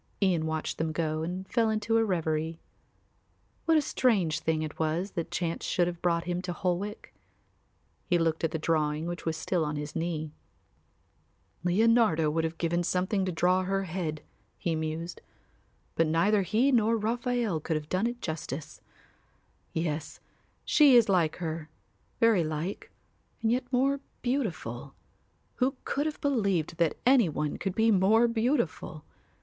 Ian watched them go and then fell into a reverie. What a strange thing it was that chance should have brought him to Holwick! He looked at the drawing which was still on his knee. "Leonardo would have given something to draw her head," he mused. "But neither he nor Raphael could have done it justice. Yes, she is like her, very like, and yet more beautiful. Who could have believed that any one could be more beautiful?